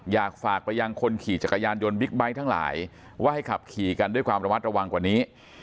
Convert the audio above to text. อยากฝากไปยังคนขี่จักรยานยนต์บิ๊กไบท์ทั้งหลายว่าให้ขับขี่กันด้วยความระมัดระวังกว่านี้